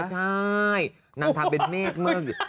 ใช่น้ำทาเป็นเมฆเมือง